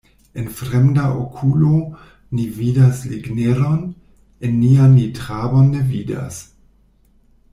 En fremda okulo ni vidas ligneron, en nia ni trabon ne vidas.